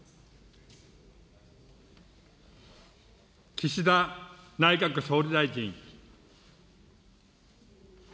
岸田内閣総理大臣。